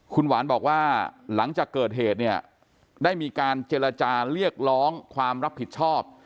คุณหวานบอกว่าหลังจากเกิดเหตุเนี่ยได้มีการเจรจาเรียกร้องความรับผิดชอบ